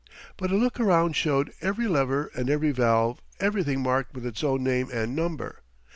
But a look around showed every lever and every valve, everything marked with its own name and number.